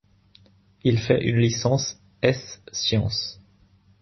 Il fait une licence es-sciences.